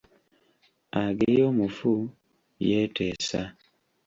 Ageya omufu, yeeteesa.